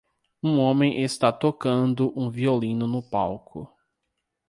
Um homem está tocando um violino no palco.